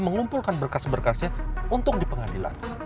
mengumpulkan berkas berkasnya untuk dipengadilan